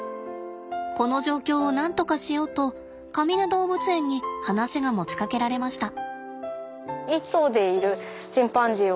この状況をなんとかしようとかみね動物園に話が持ちかけられました。